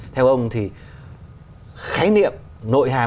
theo ông thì khái niệm nội hàm